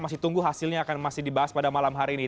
masih tunggu hasilnya akan masih dibahas pada malam hari ini